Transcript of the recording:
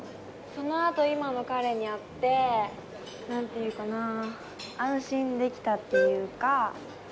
その後今の彼に会って何て言うかな安心できたっていうか。